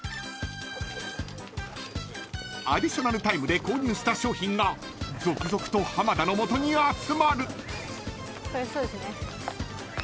［アディショナルタイムで購入した商品が続々と浜田の元に集まる］